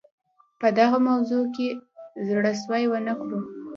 په دغه موضوع کې زړه سوی ونه کړو.